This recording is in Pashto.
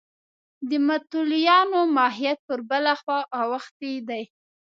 د متولیانو ماهیت پر بله خوا اوښتی دی.